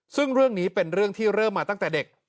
ซึ่งเรื่องนี้เป็นเรื่องที่เริ่มมาตั้งแต่เด็ก